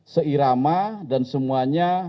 seirama dan semuanya